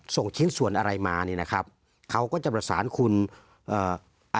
ส่งชิ้นส่วนอะไรมาเนี้ยนะครับเขาก็จะประสานคุณเอ่อ